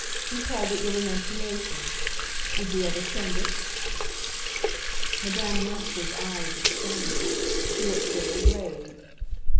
"You called it your 'renunciation.' Did you ever send it?" Madame Münster's eyes expanded; she looked very grave.